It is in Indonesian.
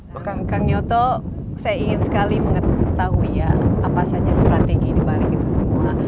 bahkan kang nyoto saya ingin sekali mengetahui ya apa saja strategi dibalik itu semua